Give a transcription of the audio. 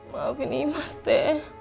maafin imas teh